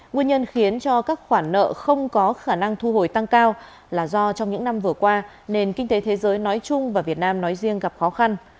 nguyên nhân khiến cho các khoản nợ không có khả năng thu hồi tăng cao là do trong những năm vừa qua nền kinh tế thế giới nói chung và việt nam nói riêng gặp khó khăn